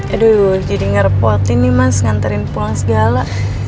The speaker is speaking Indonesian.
aduh jadi ngerepotin nih mas nganterin pulang segala